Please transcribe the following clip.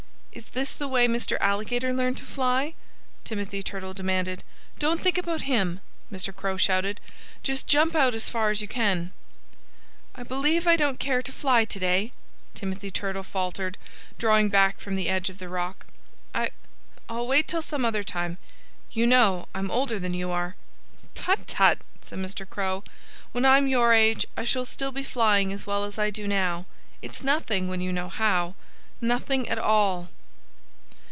"Is this the way Mr. Alligator learned to fly?" Timothy Turtle demanded. "Don't think about him!" Mr. Crow shouted. "Just jump out as far as you can!" "I believe I don't care to fly to day," Timothy Turtle faltered, drawing back from the edge of the rock. "I I'll wait till some other time. You know, I'm older than you are." "Tut, tut!" said Mr. Crow. "When I'm your age I shall still be flying as well as I do now. It's nothing, when you know how. Nothing at all!"